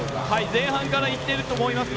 前半からいっていると思います。